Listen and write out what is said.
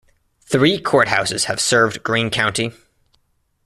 Three courthouses have served Green County.